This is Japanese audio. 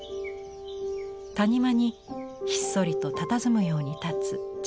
谷間にひっそりとたたずむように立つ小さな美術館。